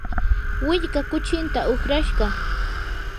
willkaa kuchinta uqrashqa.